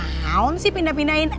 haun sih pindah pindahin